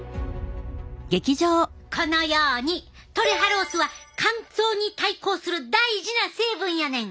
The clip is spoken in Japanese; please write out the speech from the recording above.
このようにトレハロースは乾燥に対抗する大事な成分やねん。